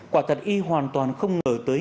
quả thật y hoàn toàn không ngờ tới